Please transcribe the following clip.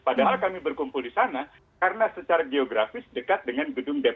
padahal kami berkumpul di sana karena secara geografis dekat dengan gedung dpr